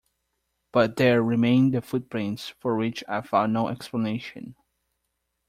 But there remain the footprints, for which I found no explanation.